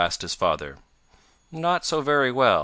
asked his father. "Not so very well.